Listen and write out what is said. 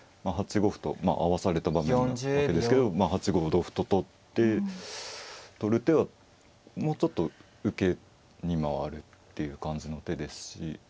８五歩と合わされた場面なわけですけれど８五同歩と取って取る手はもうちょっと受けに回るっていう感じの手ですし。